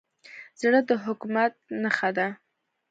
زړه د حکمت نښه ده.